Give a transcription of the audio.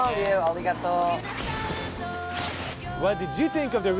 ありがとう。